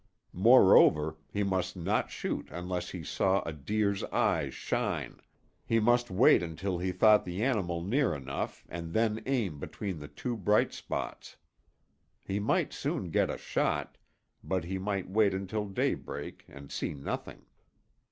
Moreover, he must not shoot unless he saw a deer's eyes shine; he must wait until he thought the animal near enough and then aim between the two bright spots. He might soon get a shot, but he might wait until daybreak and see nothing.